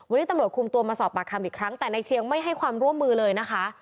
วันนี้ตำรวจคุมตัวมาสอบปากคำอีกครั้งแต่ในเชียงไม่ให้ความร่วมมือเลยนะคะ